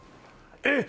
えっ！